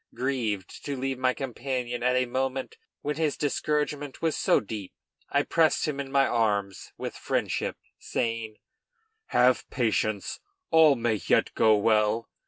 Grieved to leave my companion at a moment when his discouragement was so deep, I pressed him in my arms with friendship, saying: "Have patience; all may yet go well.